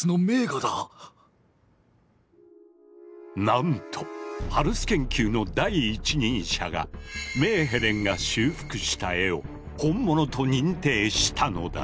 なんとハルス研究の第一人者がメーヘレンが修復した絵を「本物」と認定したのだ！